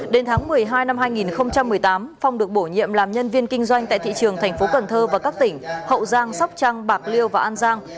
đến tháng một mươi hai năm hai nghìn một mươi tám phong được bổ nhiệm làm nhân viên kinh doanh tại thị trường tp cn và các tỉnh hậu giang sóc trăng bạc liêu và an giang